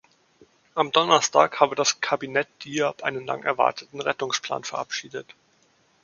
Am Donnerstag habe das Kabinett Diab einen lang erwarteten Rettungsplan verabschiedet.